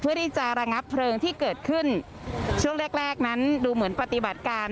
เพื่อที่จะระงับเพลิงที่เกิดขึ้นช่วงแรกแรกนั้นดูเหมือนปฏิบัติการ